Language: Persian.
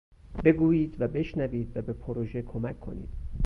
بگویید و بشنوید و به پروژه کمک کنید